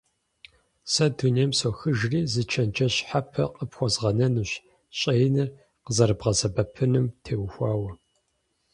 Сэ дунейм сохыжри, зы чэнджэщ щхьэпэ къыпхуэзгъэнэнущ, щӀэиныр къызэрыбгъэсэбэпынум теухуауэ.